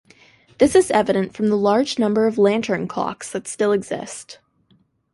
This is evident from the large number of lantern clocks that still exist.